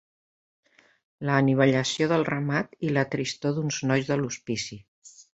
La anivellació del ramat i la tristor d'uns nois del hospici